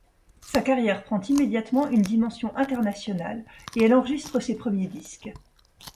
Sa carrière prend immédiatement une dimension internationale et elle enregistre ses premiers disques.